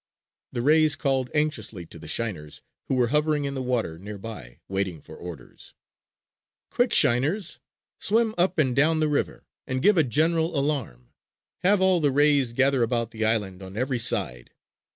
The rays called anxiously to the shiners, who were hovering in the water nearby waiting for orders: "Quick, shiners! Swim up and down the river, and give a general alarm! Have all the rays gather about the island on every side!